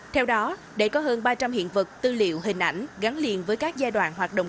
theo đó để có hơn ba trăm linh hiện vật tư liệu hình ảnh gắn liền với các giai đoạn hoạt động